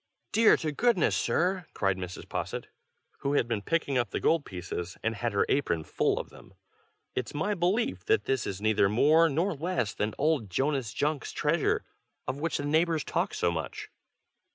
"Dear to goodness, sir!" cried Mrs. Posset, who had been picking up the gold pieces, and had her apron full of them. "It's my belief that this is neither more nor less than old Jonas Junk's treasure, of which the neighbors talk so much."